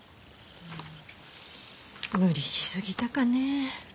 無理し過ぎたかねえ。